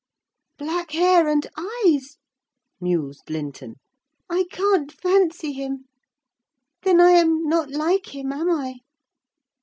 "Black hair and eyes!" mused Linton. "I can't fancy him. Then I am not like him, am I?"